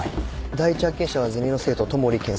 第一発見者はゼミの生徒戸守研策。